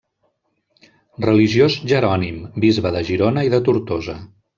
Religiós jerònim, Bisbe de Girona i de Tortosa.